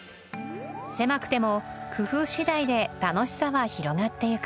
狭くても工夫次第で楽しさは広がって行く